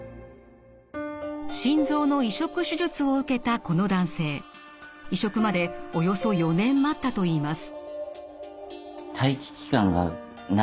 心臓の移植手術を受けたこの男性移植までおよそ４年待ったといいます。